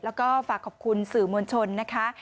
แล้วก็ฝากขอบคุณสื่อมวลชนนะคะ